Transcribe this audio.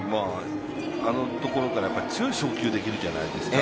あのところから強い送球できるじゃないですか。